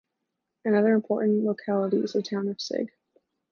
Another important locality is the town of Sig.